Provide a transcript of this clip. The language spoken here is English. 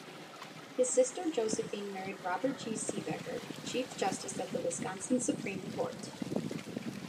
His sister Josephine married Robert G. Siebecker, Chief Justice of the Wisconsin Supreme Court.